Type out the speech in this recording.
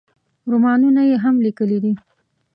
رومانونه یې هم لیکلي دي.